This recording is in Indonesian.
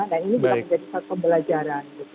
dan ini juga menjadi satu pembelajaran